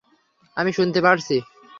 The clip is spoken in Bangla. আমি শুনতে পারছি।